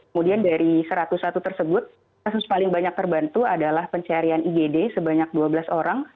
kemudian dari satu ratus satu tersebut kasus paling banyak terbantu adalah pencarian igd sebanyak dua belas orang